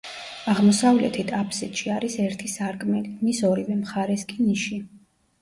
აღმოსავლეთით აფსიდში არის ერთი სარკმელი, მის ორივე მხარეს კი ნიში.